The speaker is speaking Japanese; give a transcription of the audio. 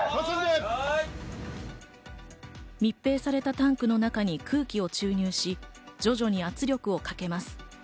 密閉されたタンクの中に空気を注入し、徐々に圧力をかけます。